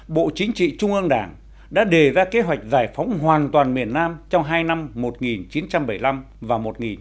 bộ chính trị trung ương đảng đã đề ra kế hoạch giải phóng hoàn toàn miền nam trong hai năm một nghìn chín trăm bảy mươi năm và một nghìn chín trăm bảy mươi